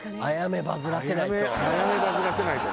あやめバズらせないと。